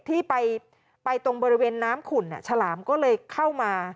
ที่ไปตรงบริเวณน้ำขุ่นฉลามก็เลยเข้ามา